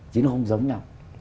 chứ nó không giống nhau